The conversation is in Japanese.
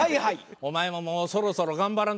お前ももうそろそろ頑張らんとやな。